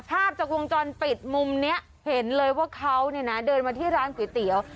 ภาพจากวงจรปิดมุมนี้เห็นเลยว่าเขาเนี่ยนะเดินมาที่ร้านก๋วยเตี๋ยว